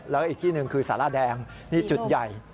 แล้วอีกที่หนึ่งคือสาระแดงนี่จุดใหญ่